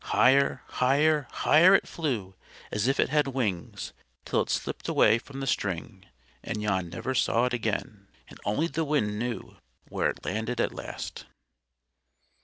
Higher, higher, higher it flew, as if it had wings; till it slipped away from the string, and Jan never saw it again, and only the wind knew where it landed at last.